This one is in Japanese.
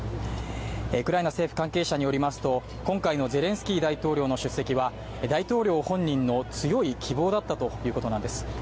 ウクライナ政府関係者によりますと今回のゼレンスキー大統領の出席は大統領本人の強い希望だったということだったんです。